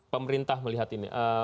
pemerintah melihat ini